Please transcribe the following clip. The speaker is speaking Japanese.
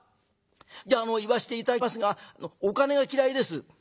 じゃあ言わして頂きますがお金が嫌いです」。